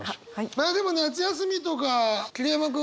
まあでも夏休みとか桐山君は？